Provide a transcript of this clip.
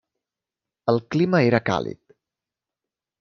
El clima era càlid.